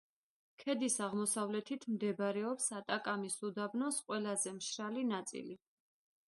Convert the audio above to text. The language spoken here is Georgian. ქედის აღმოსავლეთით მდებარეობს ატაკამის უდაბნოს ყველაზე მშრალი ნაწილი.